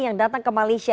yang datang ke malaysia